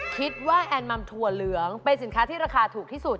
แอนมัมถั่วเหลืองเป็นสินค้าที่ราคาถูกที่สุด